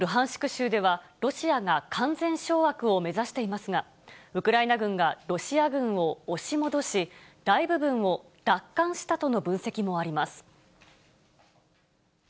州では、ロシアが完全掌握を目指していますが、ウクライナ軍がロシア軍を押し戻し、大部分を奪還したとの分析もあります。